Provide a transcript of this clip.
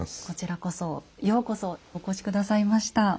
こちらこそようこそお越し下さいました。